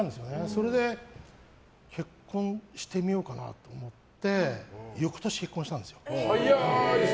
それで結婚してみようかなと思って翌年、結婚したんですよ。